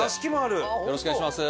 よろしくお願いします。